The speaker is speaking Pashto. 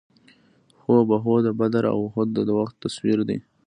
هو بهو د بدر او اُحد د وخت تصویر یې.